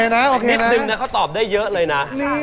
นิดนึงเค้าตอบได้เยอะเลยนะ